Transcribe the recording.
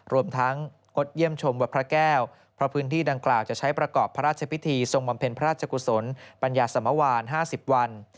รวมทั้งงดเยี่ยมชมวัดพระแก้วเพราะพื้นที่ดังกล่าวจะใช้ประกอบพระราชพิธีทรงบำเพ็ญพระราชกุศลปัญญาสมวาน๕๐วัน